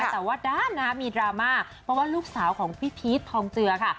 แต่ว่าด้านนะฮะมีดราม่าเพราะว่าลูกสาวของพี่พีชทองเจือค่ะ